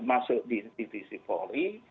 masuk di institusi polri